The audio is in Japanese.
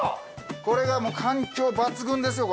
これがもう環境抜群ですよ